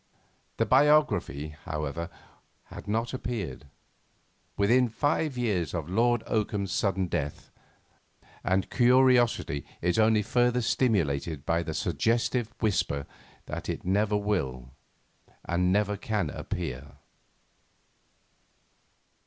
The biography, however, had not appeared, within five years of Lord Oakham's sudden death, and curiosity is only further stimulated by the suggestive whisper that it never will, and never can appear.